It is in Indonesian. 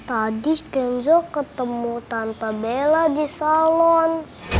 tadi kenzo ketemu tante bella di salon